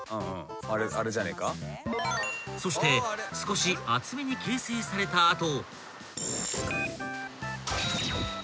［そして少し厚めに形成された後］